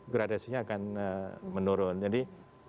gradasinya akan menurun jadi